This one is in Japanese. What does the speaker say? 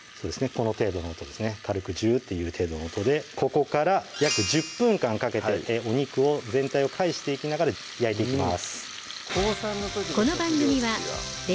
この程度の音ですね軽くジューッていう程度の音でここから約１０分間かけてお肉を全体を返していきながら焼いていきます